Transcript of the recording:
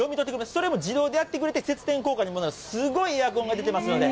それも自動でやってくれて、節電効果にもなる、すごいエアコンが出ていますので。